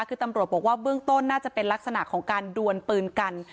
คือตำรวจบอกว่าเบื้องต้นน่าจะเป็นลักษณะของการดวนปืนกัน